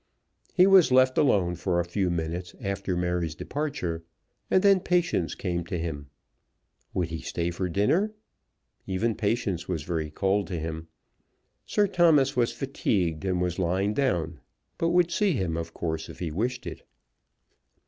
He was left alone for a few minutes after Mary's departure, and then Patience came to him. Would he stay for dinner? Even Patience was very cold to him. Sir Thomas was fatigued and was lying down, but would see him, of course, if he wished it.